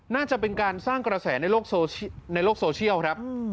น่าจะเป็นการสร้างกระแสในโลกโซเชียลครับ